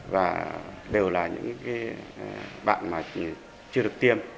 và đều là những cái bạn mà chưa được tiêm